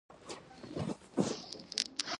په نارو کې د سېلابونو له مخې یوازې دوه ډوله دي.